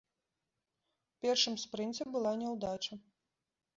У першым спрынце была няўдача.